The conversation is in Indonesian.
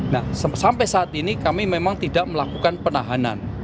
nah sampai saat ini kami memang tidak melakukan penahanan